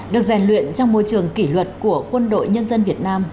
được rèn luyện trong môi trường kỷ luật của quân đội nhân dân việt nam